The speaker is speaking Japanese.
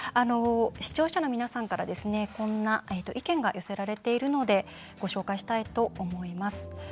視聴者の皆さんから意見が寄せられているのでご紹介したいと思います。